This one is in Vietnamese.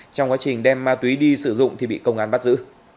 trong quá trình đem ma túy đi sử dụng thì bị công an bắt giữ